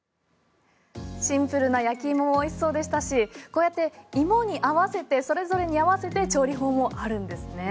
シンプルな焼き芋も美味しそうでしたしこうやって芋に合わせてそれぞれに合わせて調理法もあるんですね。